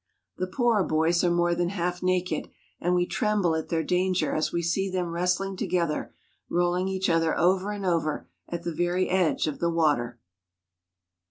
The poorer boys are more than half naked, and we tremble at their danger as we see them wrestling together, rolling each other over and over at the very edge of the water.